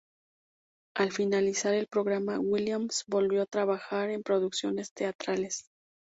Al finalizar el programa, Williams volvió a trabajar en producciones teatrales.